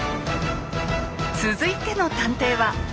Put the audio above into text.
続いての探偵は。